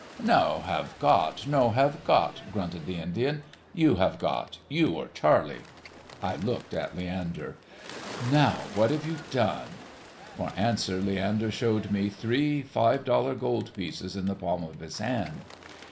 "No have got, no have got," grunted the Indian. "You have got, you or Charley." I looked at Leander. "Now, what have you done?" For answer Leander showed me three five dollar gold pieces in the palm of his hand.